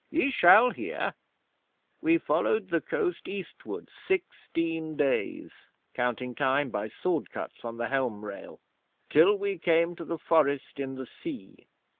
Ye shall hear. We followed the coast eastward sixteen days (counting time by sword cuts on the helm rail) till we came to the Forest in the Sea.